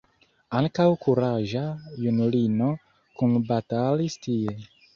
Ankaŭ kuraĝa junulino kunbatalis tie.